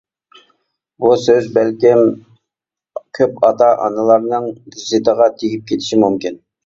بۇ سۆز بەلكىم كۆپ ئاتا-ئانىلارنىڭ زىتىغا تېگىپ كېتىشى مۇمكىن.